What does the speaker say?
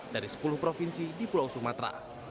dari sepuluh provinsi di pulau sumatera